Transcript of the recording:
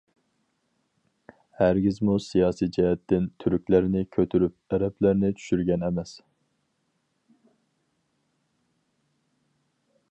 ھەرگىزمۇ سىياسىي جەھەتتىن تۈركلەرنى كۆتۈرۈپ ئەرەبلەرنى چۈشۈرگەن ئەمەس.